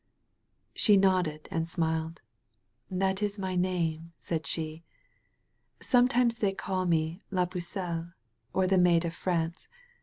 She nodded and smiled. "That is my name," said she. "Sometimes they call me La Pttcelle, or the Maid of France.